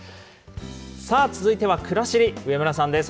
さあ、続いてはくらしり、上村さんです。